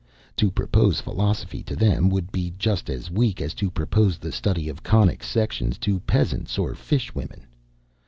To propose philosophy to them, would be just as weak as to propose the study of conic sections to peasants or fish women.